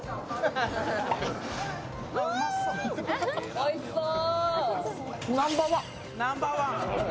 おいしそう。